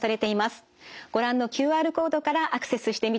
ご覧のＱＲコードからアクセスしてみてください。